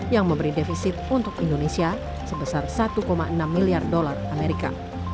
yang memberi defisit untuk indonesia sebesar satu enam miliar dolar amerika